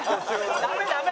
ダメダメ！